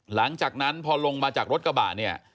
หลังจากนั้นพอลงมาจากรถกระบะเนี่ย